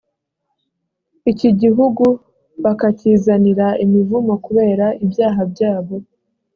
iki gihugu bakakizanira imivumo kubera ibyaha byabo